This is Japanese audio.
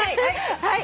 はい。